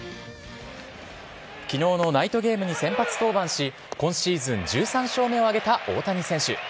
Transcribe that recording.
きのうのナイトゲームに先発登板し、今シーズン１３勝目を挙げた大谷選手。